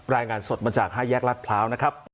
รายงานสดมาจาก๕แยกรัฐพร้าวนะครับ